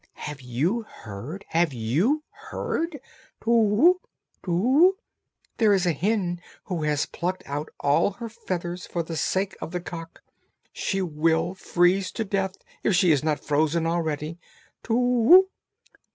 "Have you heard? Have you heard? Too whoo! There is a hen who has plucked out all her feathers for the sake of the cock; she will freeze to death, if she is not frozen already. Too whoo!"